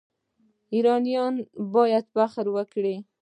ایرانیان باید فخر وکړي.